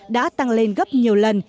đã tăng lên gấp nhiều lần